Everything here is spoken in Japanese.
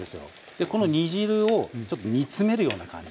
でこの煮汁をちょっと煮詰めるような感じで。